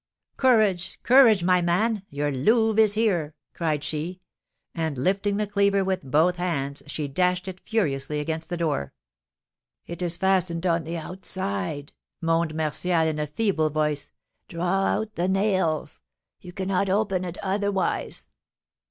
"Courage! Courage, my man! Your Louve is here!" cried she, and, lifting the cleaver with both hands, she dashed it furiously against the door. "It is fastened on the outside," moaned Martial, in a feeble voice; "draw out the nails, you cannot open it otherwise."